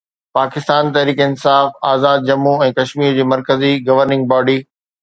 پاڪستان تحريڪ انصاف آزاد ڄمون ۽ ڪشمير جي مرڪزي governing body